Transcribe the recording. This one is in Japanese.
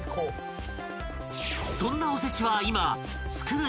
［そんなおせちは今］